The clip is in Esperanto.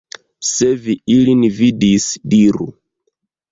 Se vi ilin vidis, diru!